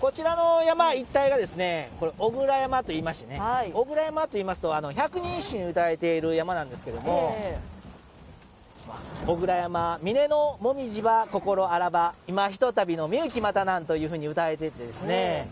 こちらの山一帯が小倉山といいまして小倉山といいますと百人一首に歌われている山なんですが「小倉山峰のもみぢ葉心あらば今ひとたびのみゆき待たなむ」というふうに歌われていてですね。